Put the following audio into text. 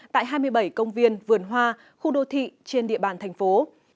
tại hai mươi bảy công viên vườn hoa khu đô thị trên địa bàn thành phố